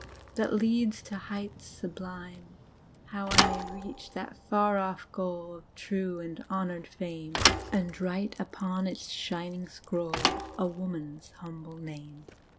That leads to heights sublime; How I may reach that far off goal Of true and honoured fame. And write upon its shining scroll A woman's humble name."